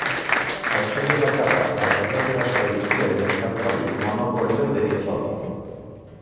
Saltzaile bakarra eta erosle asko dituen merkatuari monopolio deritzo.